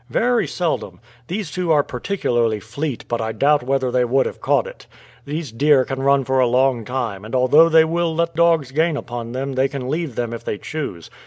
"Very seldom. These two are particularly fleet, but I doubt whether they would have caught it. These deer can run for a long time, and although they will let dogs gain upon them they can leave them if they choose.